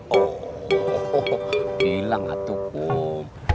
oh bilang atuk kum